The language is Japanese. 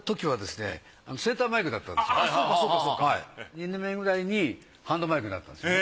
２年目くらいにハンドマイクになったんですよね。